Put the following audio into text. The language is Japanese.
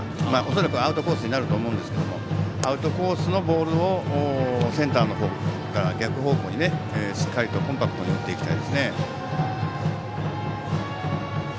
恐らくアウトコースになると思うんですけどアウトコースのボールを逆方向に、コンパクトに打っていきたいですね。